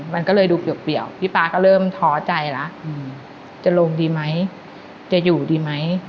มันก็เลยดูเปรียวพี่ป๊าก็เริ่มท้อใจแล้วจะลงดีไหมจะอยู่ดีไหม